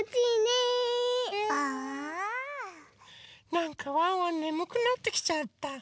なんかワンワンねむくなってきちゃった。